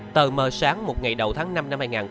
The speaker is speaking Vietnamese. từ mờ sáng một ngày đầu tháng năm năm hai nghìn một mươi ba